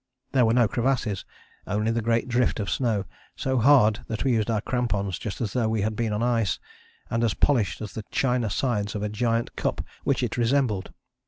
There were no crevasses, only the great drift of snow, so hard that we used our crampons just as though we had been on ice, and as polished as the china sides of a giant cup which it resembled.